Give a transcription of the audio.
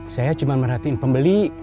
saya cuma merhatiin pembeli